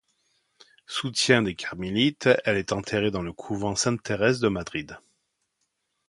Soutien des Carmélites, elle est enterrée dans le couvent Sainte-Thérèse de Madrid.